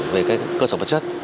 về cơ sở vật chất